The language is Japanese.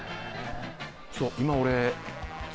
そう今俺。